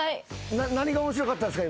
何が面白かったですか？